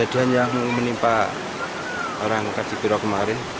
kejadian yang menimpa orang kajipiro kemarin